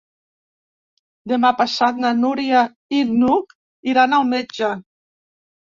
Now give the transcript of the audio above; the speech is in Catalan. Demà passat na Núria i n'Hug iran al metge.